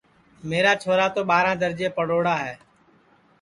میرا چھورا تو ٻاراں درجے پڑھوڑا ہے